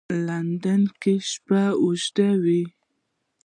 لېندۍ کې شپه اوږده وي.